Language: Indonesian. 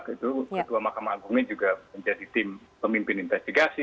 ketua mahkamah agungnya juga menjadi tim pemimpin investigasi